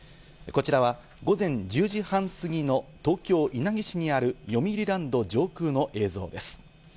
こちらは午前１０時半過ぎの東京・稲城市にある、よみうりランド上空の映像です。